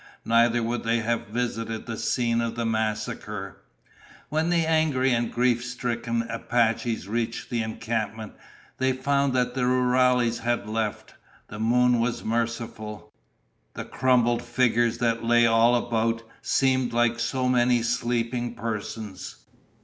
Neither would they have visited the scene of the massacre. When the angry and grief stricken Apaches reached the encampment, they found that the rurales had left. The moon was merciful. The crumpled figures that lay all about seemed like so many sleeping persons.